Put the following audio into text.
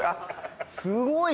すごい！